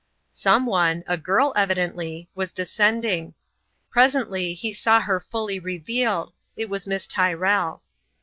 Some one, a girl evidently, was descending. Presently, he saw her fully revealed it was Miss Tyrrell.